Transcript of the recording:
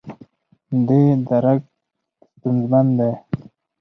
دې درک ستونزمن دی.